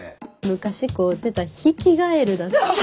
昔飼うてたヒキガエルだす。